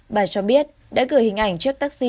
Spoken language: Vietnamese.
bà cho biết đã gửi hình ảnh